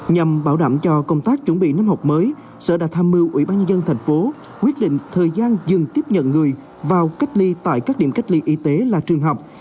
nhằm bảo đảm cho công tác chuẩn bị năm học mới sở đã tham mưu ủy ban nhân dân thành phố quyết định thời gian dừng tiếp nhận người vào cách ly tại các điểm cách ly y tế là trường học